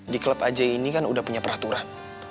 di klub aj ini kan udah punya peraturan